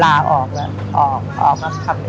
ลาออกแล้วออกคำอีก